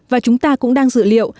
và chúng ta cũng đang dự liệu